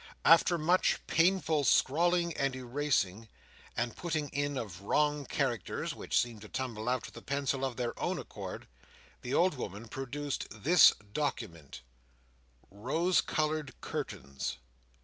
After much painful scrawling and erasing, and putting in of wrong characters, which seemed to tumble out of the pencil of their own accord, the old woman produced this document: "Rose coloured curtains."